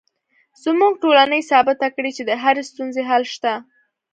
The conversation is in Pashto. زموږ ټولنې ثابته کړې چې د هرې ستونزې حل شته